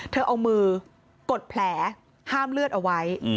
เธอเอามือกดแผลห้ามเลือดเอาไว้